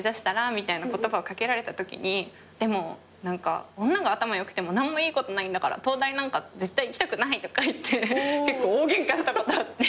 みたいな言葉をかけられたときにでも女が頭良くても何もいいことないんだから東大なんか絶対行きたくないとか言って結構大ゲンカしたことあって。